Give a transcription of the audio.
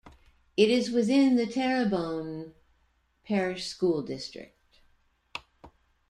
It is within the Terrebonne Parish School District.